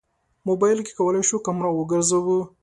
موبایل کې کولی شو کمره وګرځوو.